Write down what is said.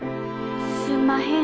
すんまへん。